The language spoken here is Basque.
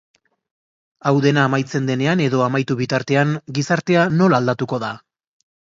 Hau dena amaitzen denean edo amaitu bitartean, gizartea nola aldatuko da?